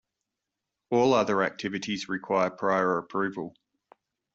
All other activities require prior approval.